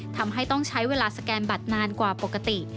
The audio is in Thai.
ทำให้ต้องใช้เวลาสแกนบัตรนานกว่าปกติ